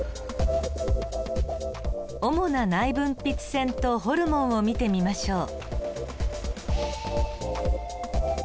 主な内分泌腺とホルモンを見てみましょう。